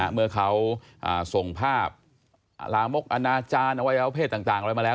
เมื่อเขาส่งภาพลามกอนาจารย์อวัยวะเพศต่างอะไรมาแล้ว